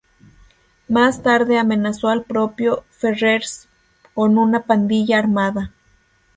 Más tarde amenazó al propio Ferrers con una pandilla armada.